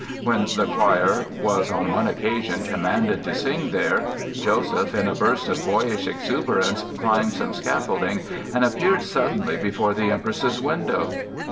When the choir was on one occasion commanded to sing there Joseph, in a burst of boyish exuberance, climbed some scaffolding and appeared suddenly before the Empress's window.